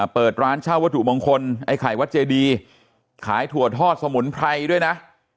เปิดร้านเช่าวัตถุมงคลไอ้ไข่วัดเจดีขายถั่วทอดสมุนไพรด้วยนะ